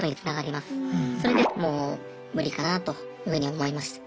それでもう無理かなというふうに思いました。